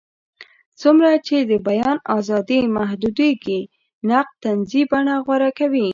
څومره چې د بیان ازادي محدودېږي، نقد طنزي بڼه غوره کوي.